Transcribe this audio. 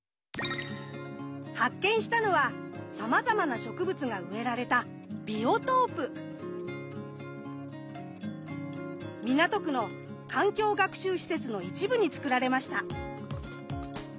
発見したのはさまざまな植物が植えられた港区の環境学習施設の一部につくられました。